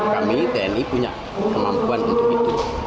kami tni punya kemampuan untuk itu